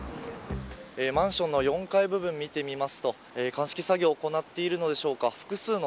マンションの４階部分を見てみますと鑑識作業を行っているのでしょうか